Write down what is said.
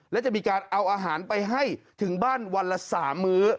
และจะมีการเอาอาหารไปให้ถึงบ้านวันละ๓มื้อ